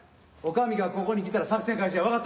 女将がここに来たら作戦開始や。